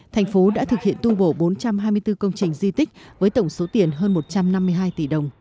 thành phố đã thực hiện tu bổ bốn trăm hai mươi bốn công trình di tích với tổng số tiền hơn một trăm năm mươi hai tỷ đồng